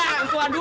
nanti bunuh diri